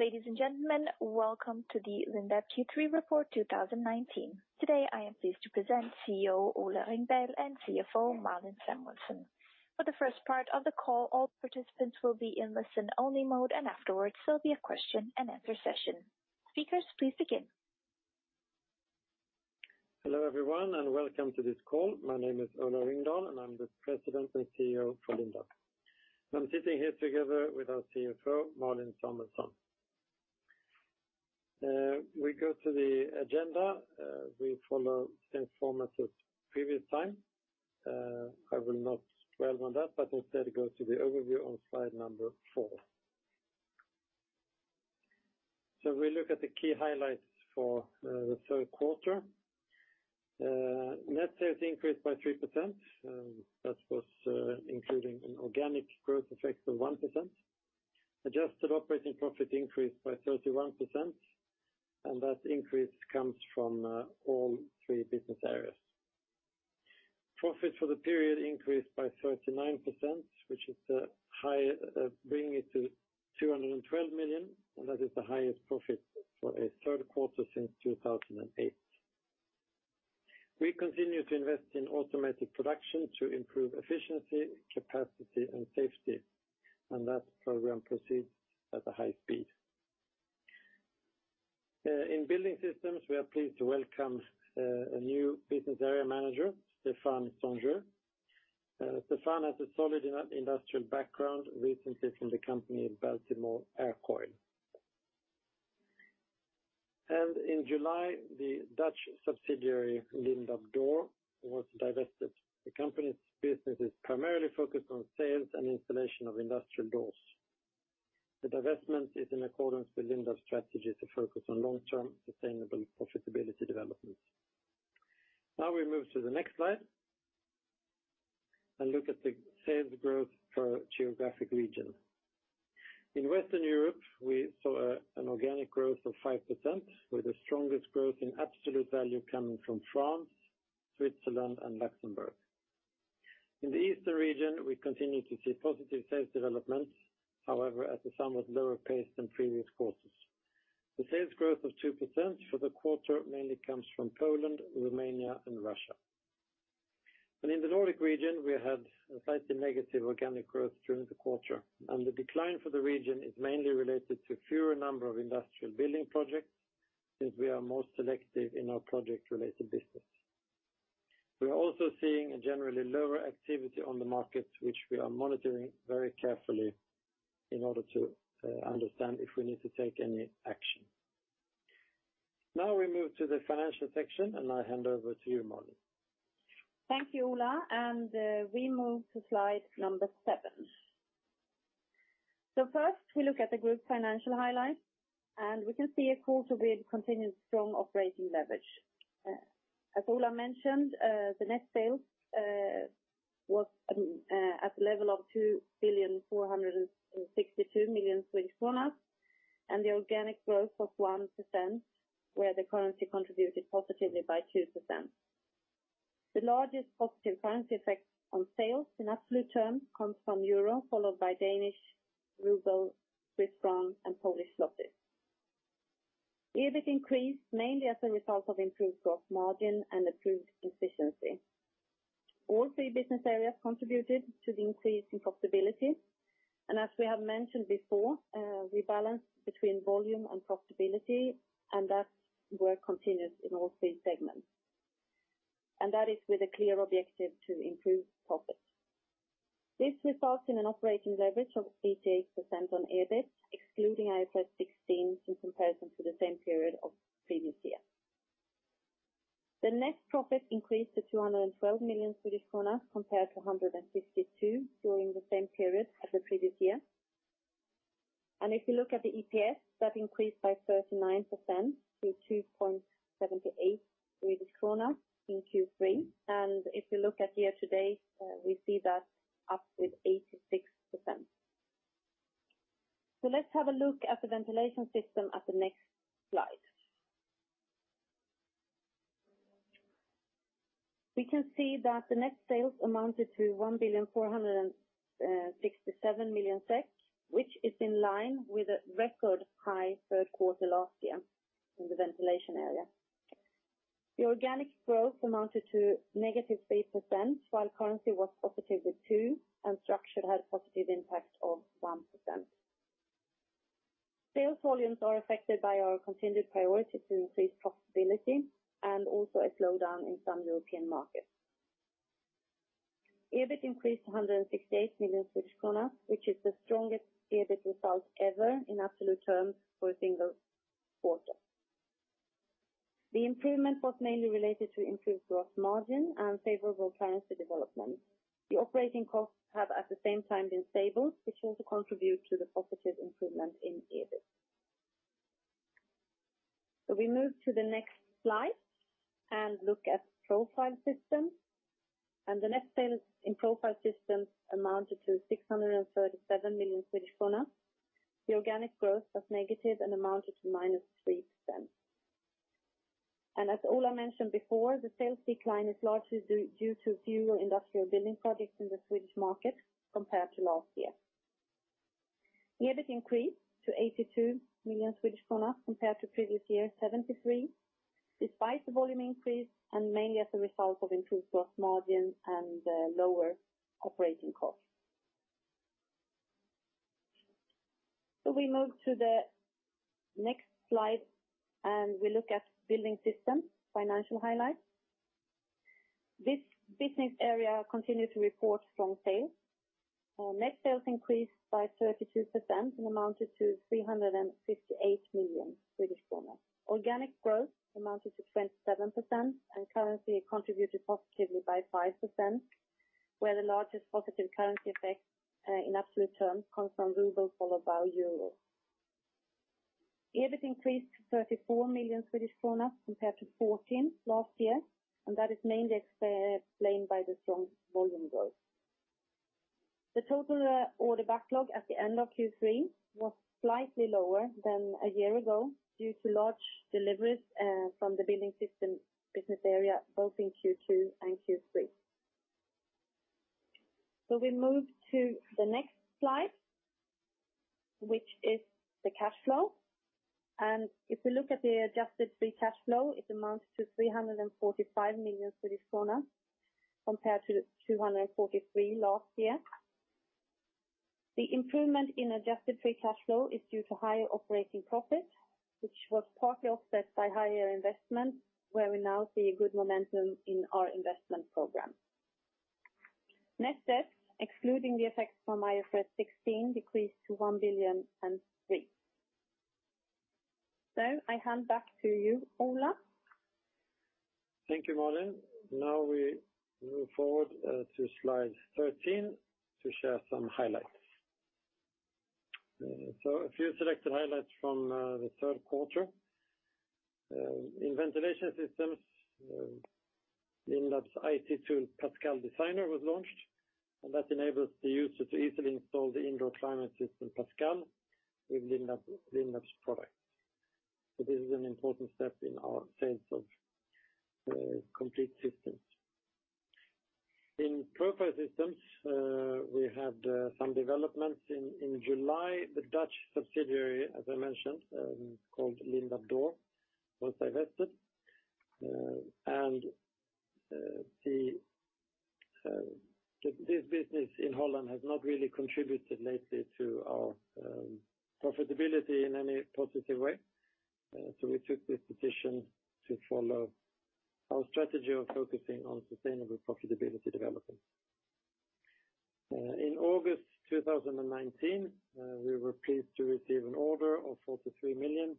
Ladies and gentlemen, welcome to the Lindab Q3 Report 2019. Today, I am pleased to present CEO, Ola Ringdahl, and CFO, Malin Samuelsson. For the first part of the call, all participants will be in listen-only mode. Afterwards, there'll be a question and answer session. Speakers, please begin. Hello, everyone, and welcome to this call. My name is Ola Ringdahl, and I'm the President and CEO for Lindab. I'm sitting here together with our CFO, Malin Samuelsson. We go to the agenda, we follow the same format as previous time. I will not dwell on that, but instead go to the overview on slide number four. We look at the key highlights for the third quarter. Net sales increased by 3%, that was including an organic growth effect of 1%. Adjusted operating profit increased by 31%, and that increase comes from all three business areas. Profit for the period increased by 39%, which is the high, bringing it to 212 million, and that is the highest profit for a third quarter since 2008. We continue to invest in automated production to improve efficiency, capacity, and safety, and that program proceeds at a high speed. In Building Systems, we are pleased to welcome a new Business Area Manager, Stefaan Sonjeau. Stefaan has a solid industrial background, recently from the company Baltimore Aircoil. In July, the Dutch subsidiary, Lindab Door, was divested. The company's business is primarily focused on sales and installation of industrial doors. The divestment is in accordance with Lindab's strategy to focus on long-term, sustainable profitability development. We move to the next slide, and look at the sales growth per geographic region. In Western Europe, we saw an organic growth of 5%, with the strongest growth in absolute value coming from France, Switzerland, and Luxembourg. In the Eastern region, we continue to see positive sales developments, however, at a somewhat lower pace than previous quarters. The sales growth of 2% for the quarter mainly comes from Poland, Romania, and Russia. In the Nordic region, we had a slightly negative organic growth during the quarter, and the decline for the region is mainly related to fewer number of industrial building projects, since we are more selective in our project-related business. We are also seeing a generally lower activity on the market, which we are monitoring very carefully in order to understand if we need to take any action. Now, we move to the financial section, and I hand over to you, Malin. Thank you, Ola. We move to slide number seven. First, we look at the group financial highlights. We can see a quarter with continued strong operating leverage. As Ola mentioned, the net sales was at the level of 2.462 billion Swedish kronor, and the organic growth of 1%, where the currency contributed positively by 2%. The largest positive currency effect on sales in absolute term, comes from Euro, followed by Danish, Ruble, Swiss franc, and Polish zloty. EBIT increased mainly as a result of improved gross margin and improved efficiency. All three business areas contributed to the increase in profitability. As we have mentioned before, we balance between volume and profitability, and that work continues in all three segments, and that is with a clear objective to improve profit. This results in an operating leverage of 38% on EBIT, excluding IFRS 16, in comparison to the same period of previous year. The net profit increased to 212 million Swedish kronor, compared to 152 during the same period as the previous year. If you look at the EPS, that increased by 39% to 2.78 kronor in Q3. If you look at year to date, we see that up with 86%. Let's have a look at the Ventilation Systems at the next slide. We can see that the net sales amounted to 1.467 billion, which is in line with a record high third quarter last year in the Ventilation area. The organic growth amounted to negative 3%, while currency was positive with 2%. Structured had a positive impact of 1%. Sales volumes are affected by our continued priority to increase profitability and also a slowdown in some European markets. EBIT increased to 168 million Swedish kronor, which is the strongest EBIT result ever in absolute terms for a single quarter. The improvement was mainly related to improved gross margin and favorable currency development. The operating costs have, at the same time, been stable, which also contribute to the positive improvement in EBIT. We move to the next slide and look at Profile Systems. The net sales in Profile Systems amounted to 637 million Swedish kronor. The organic growth was negative and amounted to -3%. As Ola mentioned before, the sales decline is largely due to fewer industrial building projects in the Swedish market compared to last year. The EBIT increased to 82 million Swedish krona compared to previous year, 73 million, despite the volume increase, and mainly as a result of improved gross margin and lower operating costs. We move to the next slide, and we look at Building Systems, financial highlights. This business area continued to report strong sales. Our net sales increased by 32% and amounted to 358 million Swedish kronor. Organic growth amounted to 27%, and currency contributed positively by 5%, where the largest positive currency effect in absolute terms, comes from Ruble followed by Euro. EBIT increased to 34 million Swedish kronor compared to 14 million last year. That is mainly explained by the strong volume growth. The total order backlog at the end of Q3 was slightly lower than a year ago, due to large deliveries from the Building Systems business area, both in Q2 and Q3. We move to the next slide, which is the cash flow. If we look at the adjusted free cash flow, it amounts to 345 million Swedish kronor, compared to 243 million last year. The improvement in adjusted free cash flow is due to higher operating profit, which was partly offset by higher investment, where we now see a good momentum in our investment program. Net debt, excluding the effects from IFRS 16, decreased to 1,000,000,003. I hand back to you, Ola Ringdahl. Thank you, Malin. Now we move forward to slide 13 to share some highlights. A few selected highlights from the third quarter. In Ventilation Systems, Lindab's IT tool, Pascal Designer, was launched, and that enables the user to easily install the indoor climate system, Pascal, with Lindab's product. This is an important step in our sales of complete systems. In Profile Systems, we had some developments. In July, the Dutch subsidiary, as I mentioned, called Lindab Door, was divested. This business in Holland has not really contributed lately to our profitability in any positive way. We took this decision to follow our strategy of focusing on sustainable profitability development. In August 2019, we were pleased to receive an order of 43 million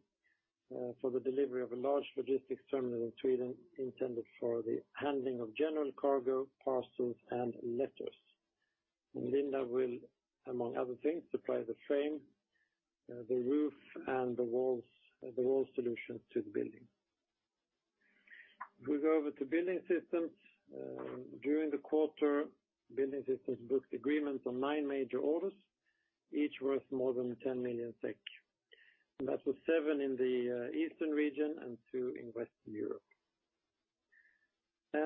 for the delivery of a large logistics terminal in Sweden, intended for the handling of general cargo, parcels, and letters. Lindab will, among other things, supply the frame, the roof, and the walls, the wall solutions to the building. We go over to Building Systems. During the quarter, Building Systems booked agreements on nine major orders, each worth more than 10 million SEK. That was seven in the eastern region and two in Western Europe.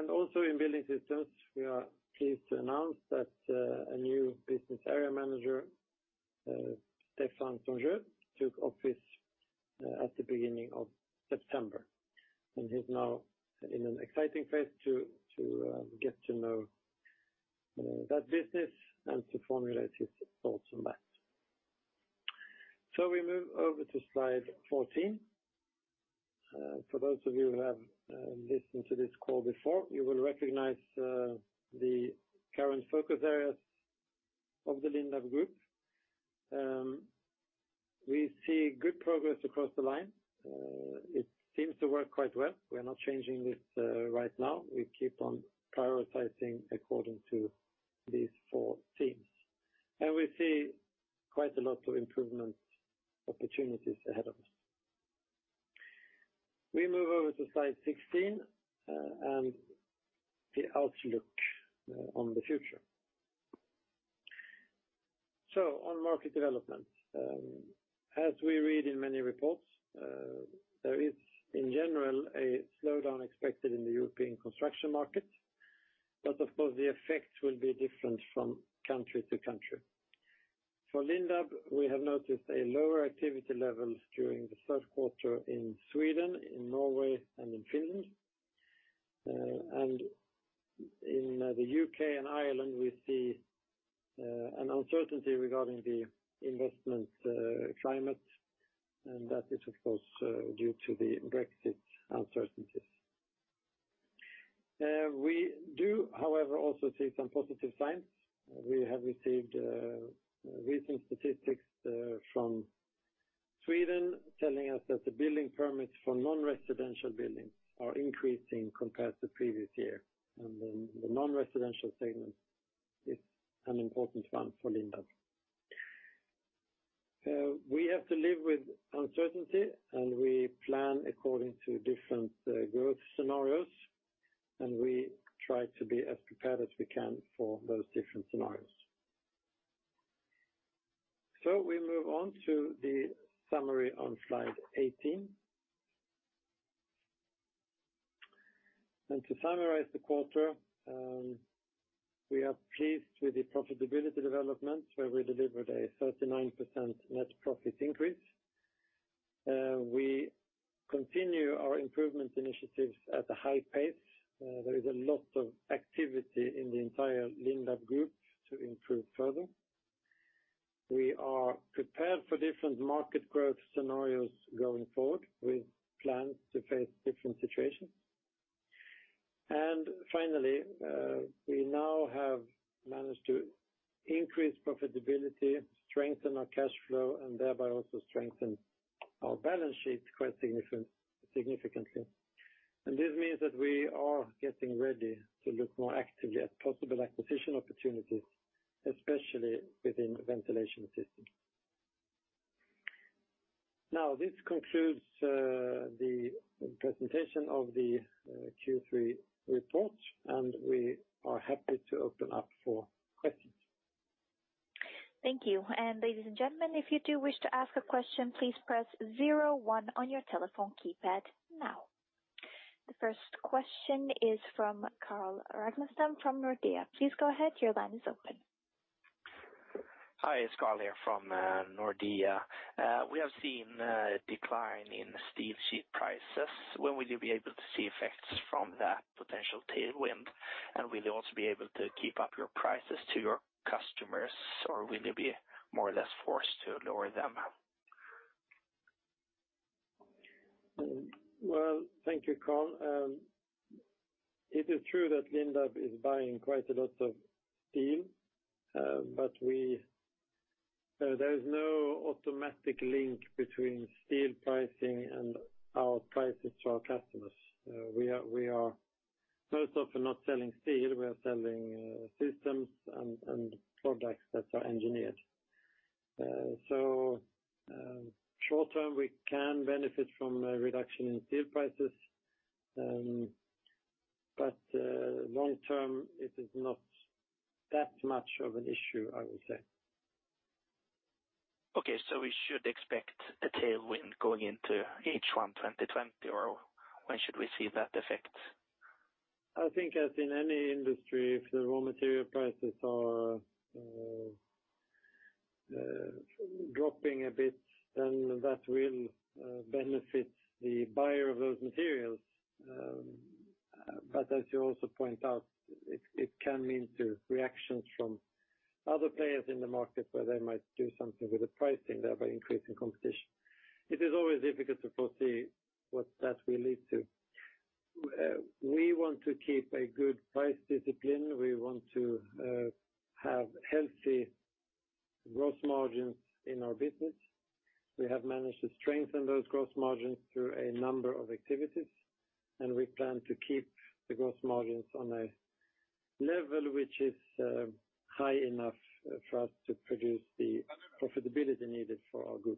Also in Building Systems, we are pleased to announce that a new business area manager, Stefaan Sonjeau took office at the beginning of September, and he's now in an exciting phase to get to know that business and to formulate his thoughts on that. We move over to slide 14. For those of you who have listened to this call before, you will recognize the current focus areas of the Lindab Group. We see good progress across the line. It seems to work quite well. We are not changing this right now. We keep on prioritizing according to these four themes, and we see quite a lot of improvement opportunities ahead of us. We move over to slide 16, and the outlook on the future. On market development, as we read in many reports, there is, in general, a slowdown expected in the European construction market, but of course, the effects will be different from country to country. For Lindab, we have noticed a lower activity level during the third quarter in Sweden, in Norway, and in Finland. In the U.K. and Ireland, we see an uncertainty regarding the investment climate, and that is, of course, due to the Brexit uncertainties. We do, however, also see some positive signs. We have received recent statistics from Sweden, telling us that the building permits for non-residential buildings are increasing compared to previous year, and the non-residential segment is an important one for Lindab. We have to live with uncertainty, and we plan according to different growth scenarios, and we try to be as prepared as we can for those different scenarios. We move on to the summary on slide 18. To summarize the quarter, we are pleased with the profitability development, where we delivered a 39% net profit increase. We continue our improvement initiatives at a high pace. There is a lot of activity in the entire Lindab Group to improve further. We are prepared for different market growth scenarios going forward, with plans to face different situations. Finally, we now have managed to increase profitability, strengthen our cash flow, and thereby also strengthen our balance sheet quite significantly. This means that we are getting ready to look more actively at possible acquisition opportunities, especially within the Ventilation Systems. Now, this concludes the presentation of the Q3 report, and we are happy to open up for questions. Thank you, ladies and gentlemen, if you do wish to ask a question, please press zero-one on your telephone keypad now. The first question is from Carl Ragnerstam from Nordea. Please go ahead, your line is open. Hi, it's Carl here from Nordea. We have seen a decline in steel sheet prices. When will you be able to see effects from that potential tailwind? Will you also be able to keep up your prices to your customers, or will you be more or less forced to lower them? Well, thank you, Carl. It is true that Lindab is buying quite a lot of steel, but there is no automatic link between steel pricing and our prices to our customers. We are first off not selling steel, we are selling, systems and products that are engineered. Short term, we can benefit from a reduction in steel prices, long term, it is not that much of an issue, I would say. Okay, we should expect a tailwind going into H1 2020, or when should we see that effect? I think as in any industry, if the raw material prices are dropping a bit, then that will benefit the buyer of those materials. As you also point out, it can mean to reactions from other players in the market, where they might do something with the pricing, thereby increasing competition. It is always difficult to foresee what that will lead to. We want to keep a good price discipline. We want to have healthy gross margins in our business. We have managed to strengthen those gross margins through a number of activities, and we plan to keep the gross margins on a level which is high enough for us to produce the profitability needed for our group.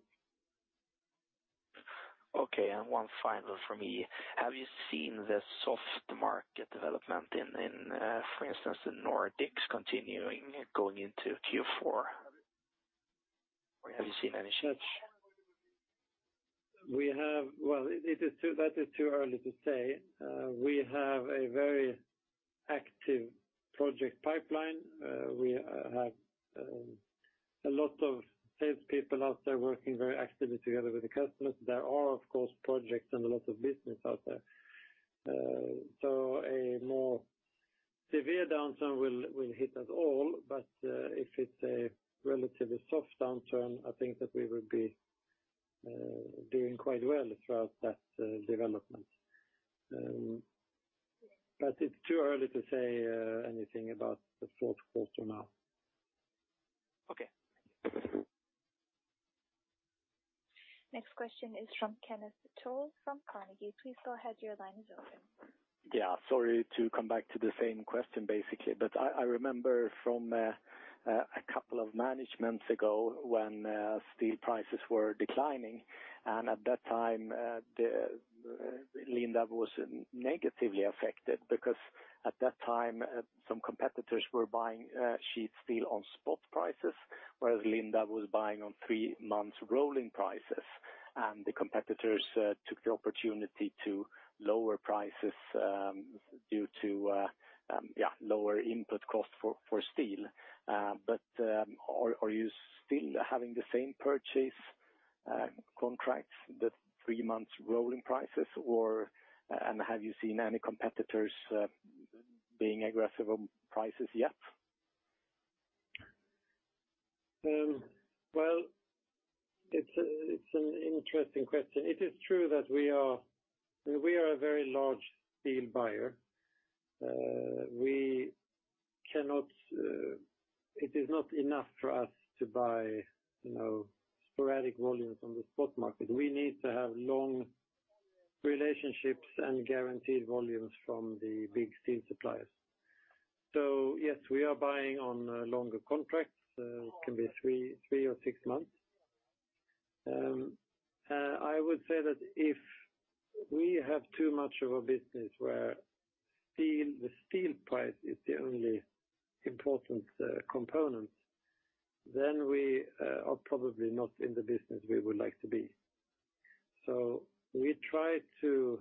Okay, one final from me. Have you seen the soft market development in, for instance, the Nordics continuing going into Q4? Have you seen any change? It is too early to say. We have a very active project pipeline. We have a lot of salespeople out there working very actively together with the customers. There are, of course, projects and a lot of business out there. A more severe downturn will hit us all, if it's a relatively soft downturn, I think that we will be doing quite well throughout that development. It's too early to say anything about the fourth quarter now. Okay. Next question is from Kenneth Toll from Carnegie. Please go ahead, your line is open. Sorry to come back to the same question, basically, but I remember from a couple of managements ago when steel prices were declining, and at that time, the Lindab was negatively affected, because at that time, some competitors were buying sheet steel on spot prices, whereas Lindab was buying on three months rolling prices. The competitors took the opportunity to lower prices due to lower input costs for steel. Are you still having the same purchase contracts, the three months rolling prices, or have you seen any competitors being aggressive on prices yet? Well, it's a, it's an interesting question. It is true that we are a very large steel buyer. We cannot, it is not enough for us to buy, you know, sporadic volumes on the spot market. We need to have long relationships and guaranteed volumes from the big steel suppliers. Yes, we are buying on longer contracts. It can be three or six months. I would say that if we have too much of a business where steel, the steel price is the only important component, then we are probably not in the business we would like to be. We try to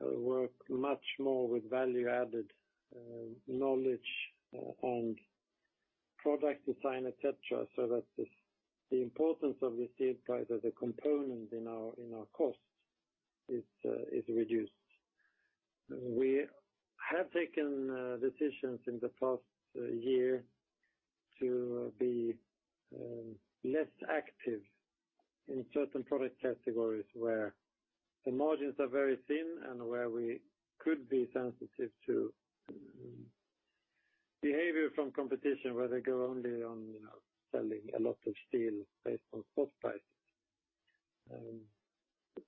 work much more with value-added knowledge on product design, et cetera, so that the importance of the steel price as a component in our costs is reduced. We have taken decisions in the past year to be less active in certain product categories where the margins are very thin and where we could be sensitive to behavior from competition, where they go only on, you know, selling a lot of steel based on spot prices.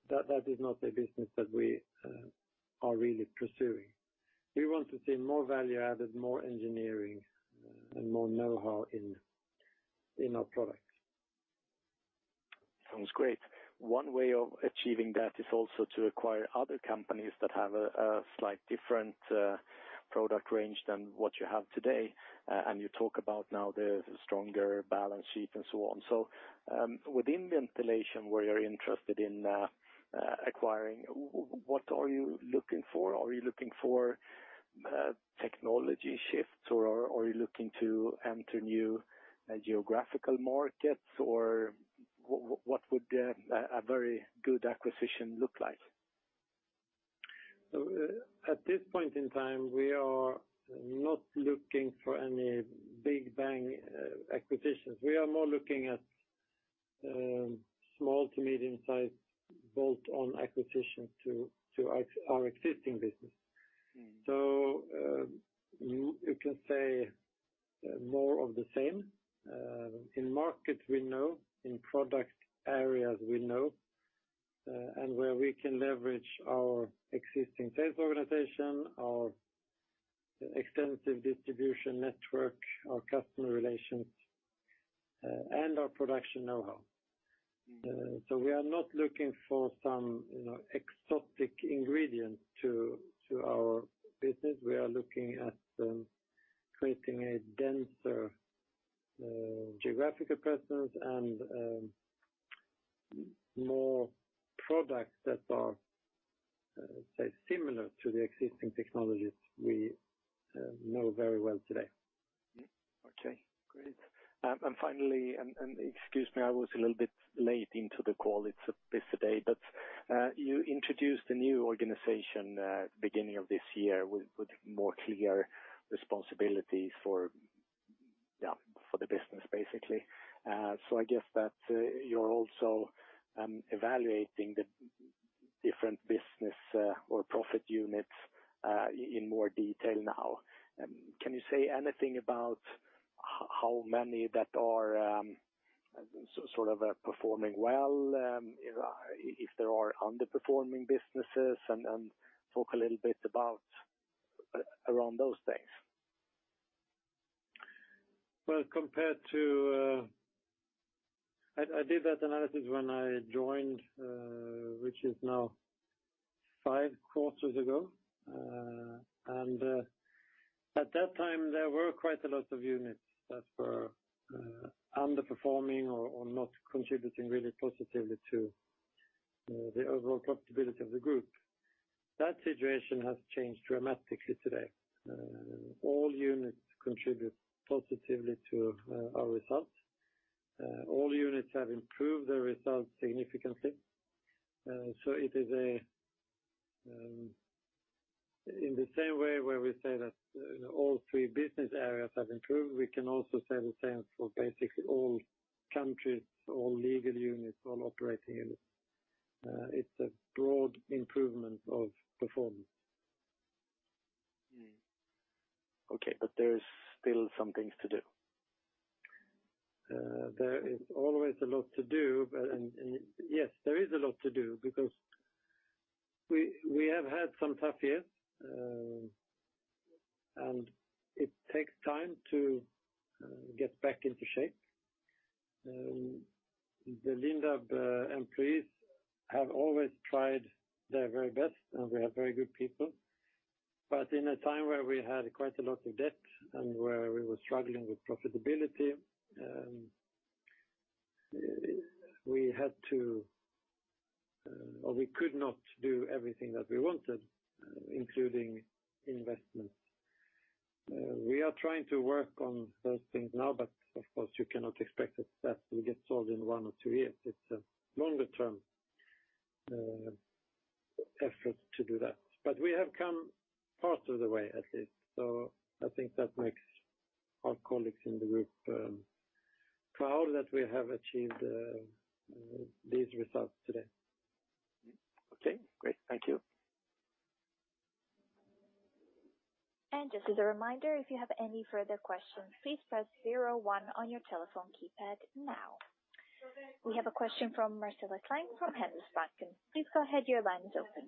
That is not a business that we are really pursuing. We want to see more value added, more engineering, and more know-how in our products. Sounds great. One way of achieving that is also to acquire other companies that have a slight different product range than what you have today. You talk about now there's a stronger balance sheet and so on. Within ventilation, where you're interested in acquiring, what are you looking for? Are you looking for technology shifts, or are you looking to enter new geographical markets, or what would a very good acquisition look like? At this point in time, we are not looking for any big bang acquisitions. We are more looking at small to medium-sized bolt-on acquisitions to our existing business. Mm. You can say, more of the same, in markets we know, in product areas we know, and where we can leverage our existing sales organization, our extensive distribution network, our customer relations, and our production know-how. Mm. We are not looking for some, you know, exotic ingredient to our business. We are looking at creating a denser geographical presence and more products that are, say, similar to the existing technologies we know very well today. Okay, great. Finally, excuse me, I was a little bit late into the call. It's a busy day, but you introduced a new organization beginning of this year with more clear responsibilities for the business, basically. I guess that you're also evaluating the different business or profit units in more detail now. Can you say anything about how many that are sort of performing well, if there are underperforming businesses, and talk a little bit about around those things? Well, compared to, I did that analysis when I joined, which is now five quarters ago. At that time, there were quite a lot of units that were underperforming or not contributing really positively to the overall profitability of the group. That situation has changed dramatically today. All units contribute positively to our results. All units have improved their results significantly. It is a, in the same way where we say that, you know, all three business areas have improved, we can also say the same for basically all countries, all legal units, all operating units. It's a broad improvement of performance. Okay, there is still some things to do? There is always a lot to do, and yes, there is a lot to do because we have had some tough years, and it takes time to get back into shape. The Lindab employees have always tried their very best, and we have very good people. In a time where we had quite a lot of debt and where we were struggling with profitability, we had to, or we could not do everything that we wanted, including investments. We are trying to work on those things now, but of course, you cannot expect that will get solved in one or two years. It's a longer-term effort to do that. We have come part of the way, at least. I think that makes our colleagues in the group proud that we have achieved these results today. Okay, great. Thank you. Just as a reminder, if you have any further questions, please press zero-one on your telephone keypad now. We have a question from Marcela Klang from Handelsbanken. Please go ahead, your line is open.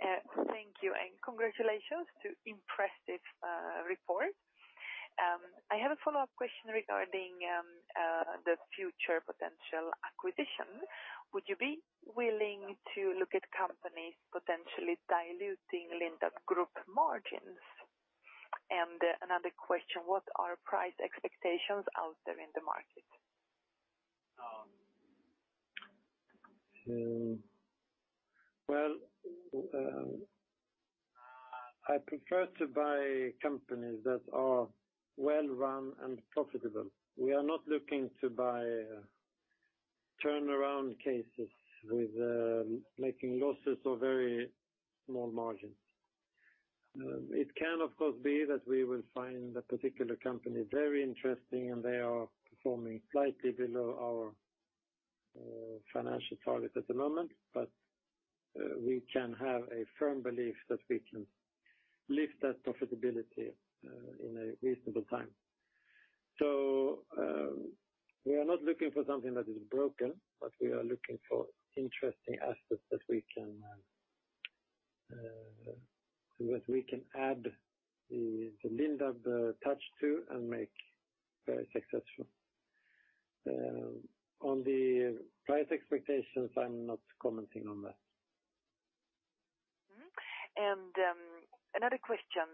Thank you, and congratulations to impressive report. I have a follow-up question regarding the future potential acquisition. Would you be willing to look at companies potentially diluting Lindab Group margins? Another question, what are price expectations out there in the market? Well, I prefer to buy companies that are well-run and profitable. We are not looking to buy turnaround cases with making losses or very small margins. It can, of course, be that we will find a particular company very interesting, and they are performing slightly below our financial target at the moment, but we can have a firm belief that we can lift that profitability in a reasonable time. We are not looking for something that is broken, but we are looking for interesting assets that we can that we can add the Lindab touch to and make very successful. On the price expectations, I'm not commenting on that. Another question,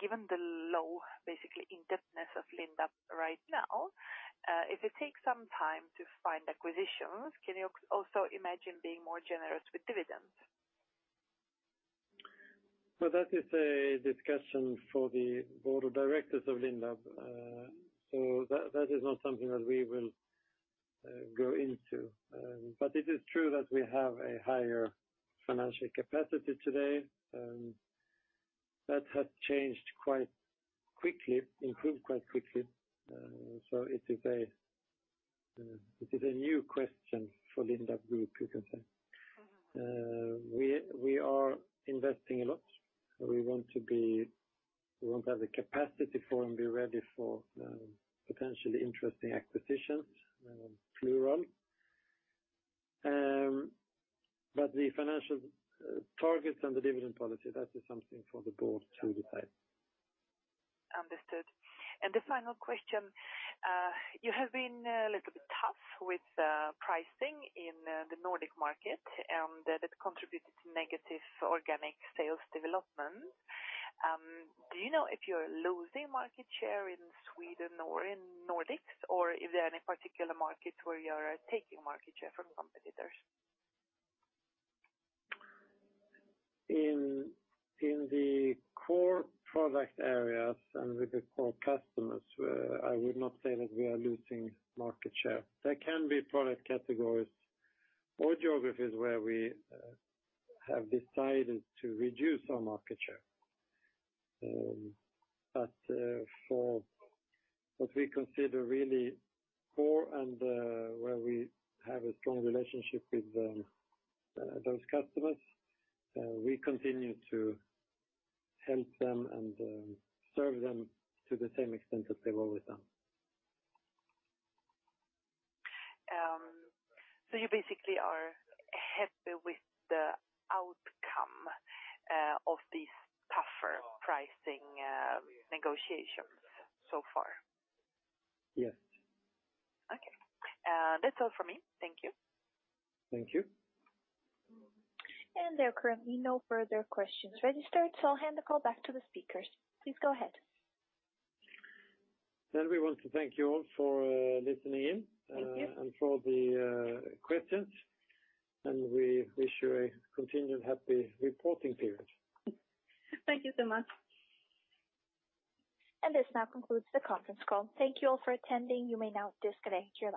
given the low, basically, indebtedness of Lindab right now, if it takes some time to find acquisitions, can you also imagine being more generous with dividends? That is a discussion for the board of directors of Lindab. That is not something that we will go into. It is true that we have a higher financial capacity today, that has changed quite quickly, improved quite quickly. It is a new question for Lindab Group, you can say. Mm-hmm. We are investing a lot. We want to have the capacity for and be ready for potentially interesting acquisitions, plural. The financial targets and the dividend policy, that is something for the board to decide. Understood. The final question, you have been a little bit tough with pricing in the Nordic market, and that contributed to negative organic sales development. Do you know if you're losing market share in Sweden or in Nordics, or is there any particular market where you're taking market share from competitors? In the core product areas and with the core customers, I would not say that we are losing market share. There can be product categories or geographies where we have decided to reduce our market share. For what we consider really core and where we have a strong relationship with those customers, we continue to help them and serve them to the same extent that they've always done. You basically are happy with the outcome of these tougher pricing negotiations so far? Yes. Okay. That's all for me. Thank you. Thank you. There are currently no further questions registered, so I'll hand the call back to the speakers. Please go ahead. We want to thank you all for, listening in. Thank you. For the questions, and we wish you a continued happy reporting period. Thank you so much. This now concludes the conference call. Thank you all for attending. You may now disconnect your lines.